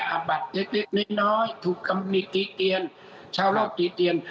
อาบัติเนี่ยน้อยถูกคำนี้ดีเตียนช่าวเริ่บดีเตียน